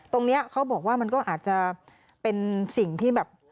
ตรงนี้เขาบอกว่ามันก็อาจจะเป็นสิ่งที่แบบ